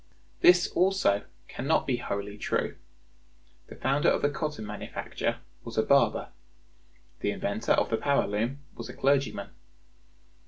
This also can not be wholly true. "The founder of the cotton manufacture was a barber. The inventor of the power loom was a clergyman.